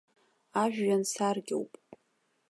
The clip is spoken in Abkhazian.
Ажәҩан саркьоуп!